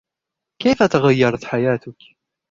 كيف تغيّرت حياتك؟